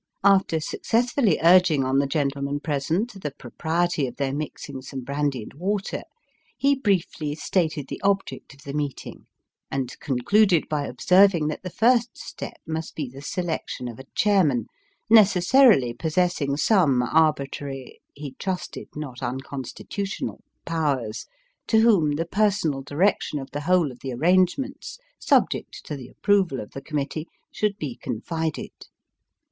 After successfully urging on the gentlemen present the propriety of their mixing some brandy and water, he briefly stated the object of the meeting, and concluded by observing that the first step must be the selection of a chairman, necessarily possessing some arbitrary he trusted not unconstitutional powers, to whom the personal direction of the whole of the arrangements (subject to the approval of the com mittee) should be confided.